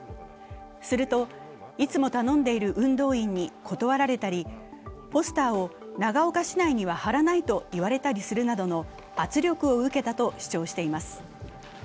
すると、いつも頼んでいる運動員に断られたり、ポスターを長岡市内には貼らないと言われたりするなどの圧力を受けたと主張しています。